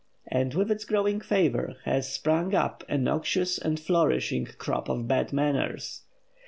And with its growing favor has sprung up a noxious and flourishing crop of bad manners.